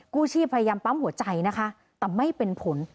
กู้ชีพพยายามปั๊มหัวใจนะคะแต่ไม่เป็นผล